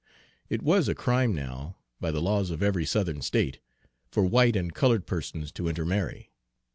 It was a crime now, by the laws of every Southern State, for white and colored persons to intermarry.